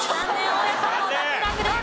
大家さんも脱落です。